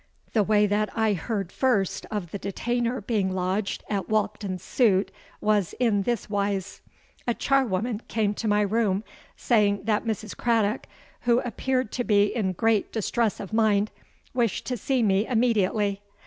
The way that I heard first of the detainer being lodged at Walkden's suit was in this wise:—A char woman came to my room, saying that Mrs. Craddock, who appeared to be in great distress of mind, wished to see me immediately.